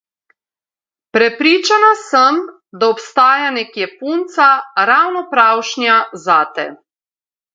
Prepričana sem, da obstaja nekje punca ravno pravšnja zate.